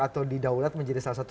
atau di daulat menjadi salah satu